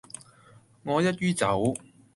我一於走